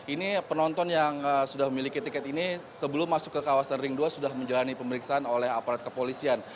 ini penonton yang sudah memiliki tiket ini sebelum masuk ke kawasan ring dua sudah menjalani pemeriksaan oleh aparat kepolisian